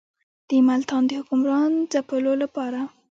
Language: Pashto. د ملتان د حکمران ځپلو لپاره.